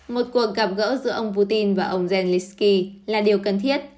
một cuộc gặp gỡ giữa ông putin và ông zelensky là điều cần thiết